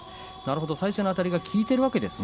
最初のあたりが効いているわけですね。